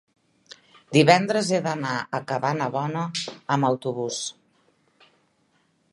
divendres he d'anar a Cabanabona amb autobús.